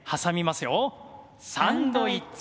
サンドイッチ。